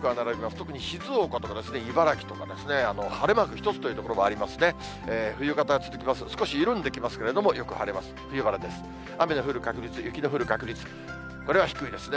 特に静岡とか茨城とか、晴れマーク一つという所もありますね。